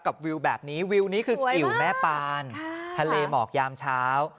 วิวแบบนี้วิวนี้คือกิวแม่ปานทะเลหมอกยามเช้า